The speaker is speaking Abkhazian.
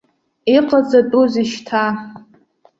Иҟаҵатәузеи шьҭа?